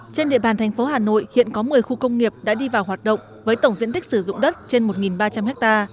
trên địa bàn thành phố hà nội hiện có một mươi khu công nghiệp đã đi vào hoạt động với tổng diện tích sử dụng đất trên một ba trăm linh ha